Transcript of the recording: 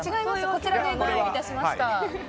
こちらでご用意いたしました。